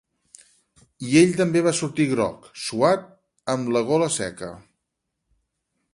I ell també va sortir groc, suat, amb la gola seca.